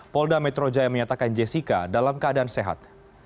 polda metro jaya menyatakan jessica dalam keadaan sehat